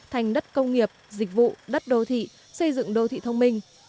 thành đất công nghiệp dịch vụ đất đô thị xây dựng đô thị thông minh